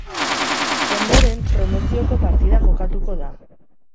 Ondoren, promozioko partida jokatuko da.